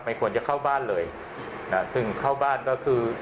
ควรจะเข้าบ้านเลยอ่าซึ่งเข้าบ้านก็คือ